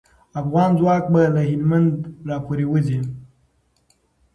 افغان ځواک به له هلمند راپوری وځي.